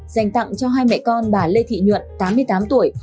dành tặng cho hai mẹ con bà lê thị nhuận tám mươi tám tuổi